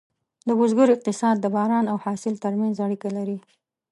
د بزګر اقتصاد د باران او حاصل ترمنځ اړیکه لري.